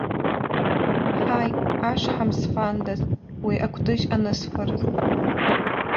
Ҳаи, ашҳам сфандаз, уи акәтыжь анысфарыз.